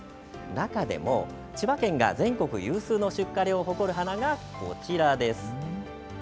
中でも千葉県が全国有数の出荷量を誇る花がこちらです。